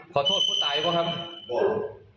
ขอโทษผู้ตายหรือเปล่าครับ